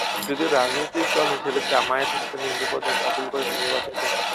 যদিও রাজনৈতিক দল হিসেবে জামায়াতে ইসলামীর নিবন্ধন বাতিল করেছে নির্বাচন কমিশন।